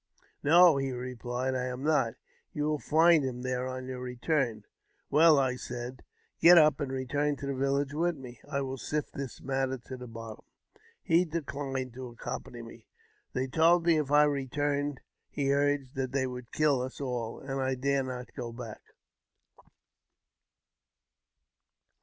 "No," he replied, " I am not. You will find him there o] your return." " Well," said I, " get up and return to the village with me I will sift this matter to the bottom." He declined to accompany me. " They told me, if I re i turned," he urged, "that they would kill us all ; and I dare not go back."